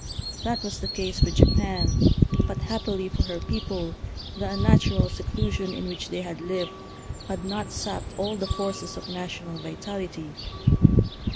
That was the case with Japan, but happily for her people the unnatural seclusion in which they had lived had not sapped all the forces of national vitality.